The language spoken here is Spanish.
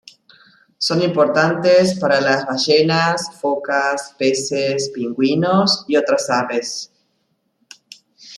Son importantes para las ballenas, focas, peces, pingüinos, y otras aves.